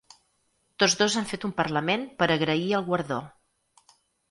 Tots dos han fet un parlament per agrair el guardó.